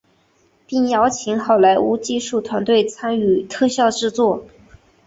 并邀请好莱坞技术团队参与特效制作。